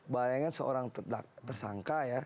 bayangkan seorang tersangka ya